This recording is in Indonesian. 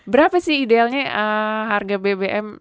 berapa sih idealnya harga bbm